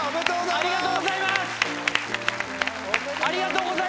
ありがとうございます！